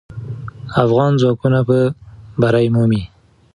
افغان ځواکونه به بری مومي.